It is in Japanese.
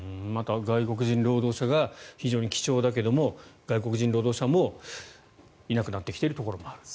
外国人労働者が非常に貴重だけども外国人労働者もいなくなってきているところもあると。